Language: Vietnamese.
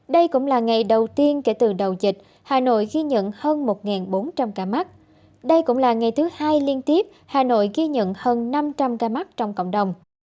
đây cũng là ngày thứ hai liên tiếp hà nội ghi nhận hơn năm trăm linh ca mắc trong cộng đồng